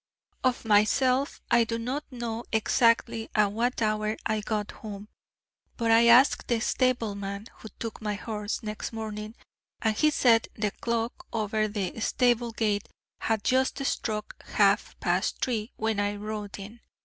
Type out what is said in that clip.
Of myself, I do not know exactly at what hour I got home, but I asked the stableman, who took my horse, next morning, and he said the clock over the stable gate had just struck half past three when I rode in.